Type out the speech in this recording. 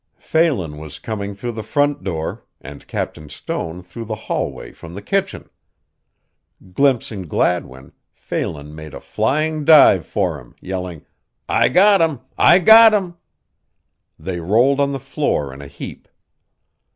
Phelan was coming through the front door and Captain Stone through the hallway from the kitchen. Glimpsing Gladwin, Phelan made a flying dive for him, yelling, "I got him! I got him!" They rolled on the floor in a heap.